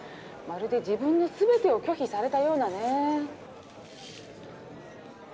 まるで自分の全てを拒否されたようなね。